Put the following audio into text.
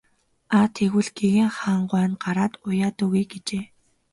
Аа тэгвэл гэгээн хаан гуай нь гараад уяад өгье гэжээ.